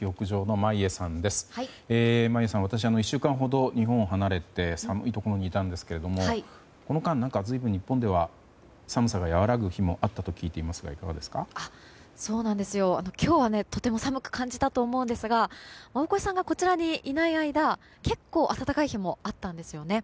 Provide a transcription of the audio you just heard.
眞家さん、私１週間ほど日本を離れて寒いところにいたんですけどこの間、随分日本では寒さが和らぐ日もあったと今日はとても寒く感じたんですが大越さんが、こちらにいない間結構暖かい日もあったんですよね。